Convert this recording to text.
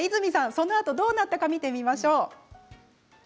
そのあとどうなったのか見てみましょう。